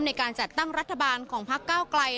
ในการจัดตั้งรัฐบาลของพักเก้าไกล